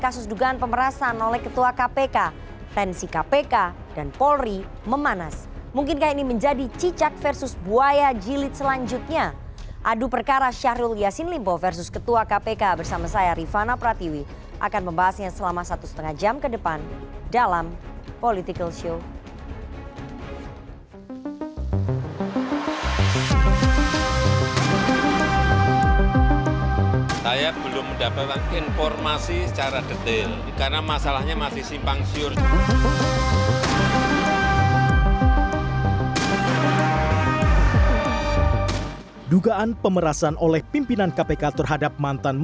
semua yang saya tahu saya sudah sampaikan